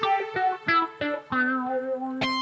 terima kasih sebelumnya